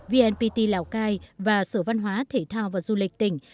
vnpt lào cai và sở văn hóa thể thao và du lịch tỉnh